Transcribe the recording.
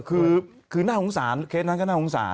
คือน่าสงสารเคสนั้นก็น่าสงสาร